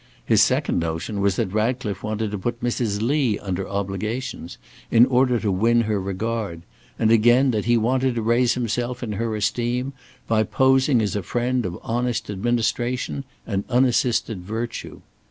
His second notion was that Ratcliffe wanted to put Mrs. Lee under obligations, in order to win her regard; and, again, that he wanted to raise himself in her esteem by posing as a friend of honest administration and unassisted virtue.